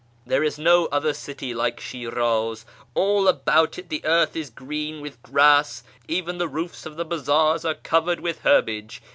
There is no other city like Shiraz : all about it the earth is green with grass ; even the roofs of the bazaars are covered with herbage.